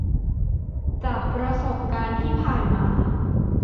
จากประสบการณ์ที่ผ่านมา